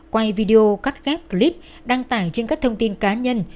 quay video cắt ghép clip đăng tải trên các thông tin cá nhân